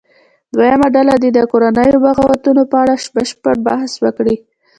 دویمه ډله دې د کورنیو بغاوتونو په اړه بشپړ بحث وکړي.